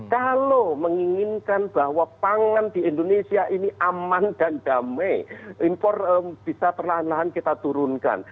kalau menginginkan bahwa pangan di indonesia ini aman dan damai impor bisa perlahan lahan kita turunkan